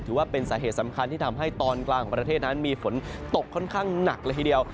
ถือว่าเป็นสาเหตุสำคัญที่ทำให้ตอนกลางของประเทศนั้นมีฝนตกค่อนข้างหนักเลยทีเดียว